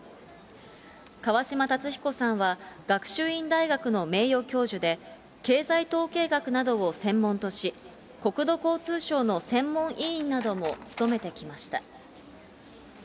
川嶋辰彦さんは、学習院大学の名誉教授で、経済統計学などを専門とし、国土交通省の専門委員なども務めてきました。